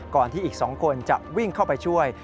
ที่อีก๒คนจะวิ่งเข้าไปช่วย